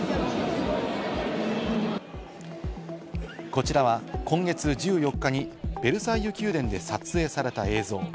こちらは今月１４日にベルサイユ宮殿で撮影された映像。